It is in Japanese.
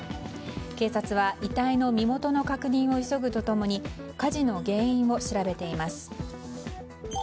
警察は、遺体の身元の確認を急ぐと共に火事の原因を調べています。